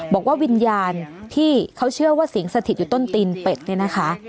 บอกว่าวิญญาณที่เขาเชื่อว่าสิงสถิตอยู่ต้นตีนเป็ดเนี่ยนะคะ